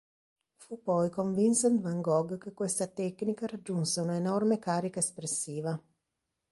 Fu poi con Vincent Van Gogh che questa tecnica raggiunse una enorme carica espressiva.